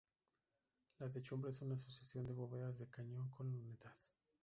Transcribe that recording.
La techumbre es una sucesión de bóvedas de cañón con lunetas.